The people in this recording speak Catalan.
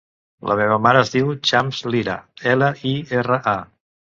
La meva mare es diu Chams Lira: ela, i, erra, a.